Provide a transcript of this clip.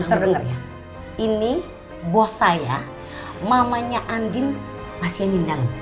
suster denger ya ini bos saya mamanya andin pasien yang ada di dalam